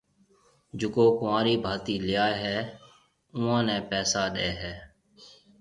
جڪو ڪنوارِي ڀاتِي ليائيَ ھيََََ اوئون نيَ پيسا ڏَي ھيََََ